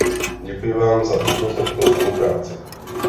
Děkuji vám za jednoznačnou spolupráci.